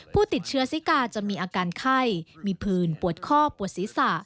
ผู้ติดเชื้อซิกาจะมีอาการไข้มีผื่นปวดข้อปวดศีรษะ